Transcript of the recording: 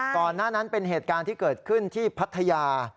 ก่อนหน้านั้นเป็นเหตุการณ์ที่เกิดขึ้นที่พัทยา